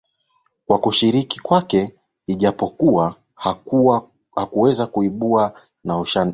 kwa kushiriki kwake ijapokuwa hakuweza kuibuka na ushindi